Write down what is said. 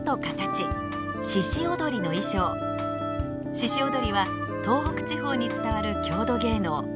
鹿踊は東北地方に伝わる郷土芸能。